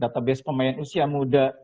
database pemain usia muda